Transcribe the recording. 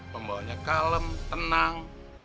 pembawanya kalem tenang